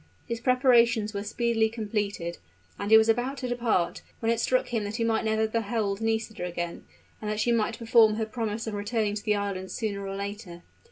His preparations were speedily completed; and he was about to depart, when it struck him that he might never behold Nisida again, and that she might perform her promise of returning to the island sooner or later.